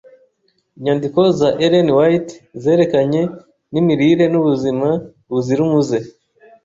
Inyandiko za Ellen White zerekeranye n’imirire n’ubuzima buzira umuze